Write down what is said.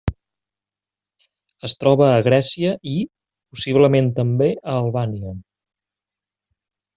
Es troba a Grècia i, possiblement també, a Albània.